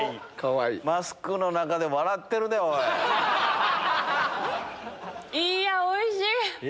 マスクの中で笑ってるで、いや、おいしい！